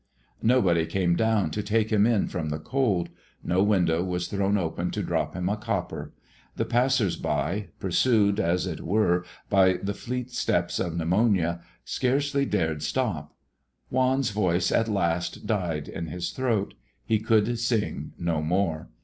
Nobody came down to take him in from the cold; no window was thrown open to drop him a copper. The passers by, pursued, as it were, by the fleet steps of pneumonia, scarcely dared stop. Juan's voice at last died in his throat; he could sing no more.